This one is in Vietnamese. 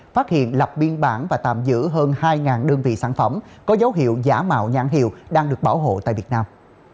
phát hiện lập biên bản và tạm giữ hơn hai đơn vị sản phẩm có dấu hiệu giả mạo nhãn hiệu đang được bảo hộ tại việt nam